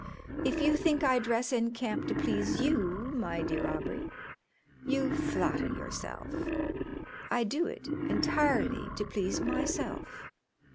If you think I dress in camp to please you, my dear Aubrey, you flatter yourself. I do it entirely to please myself.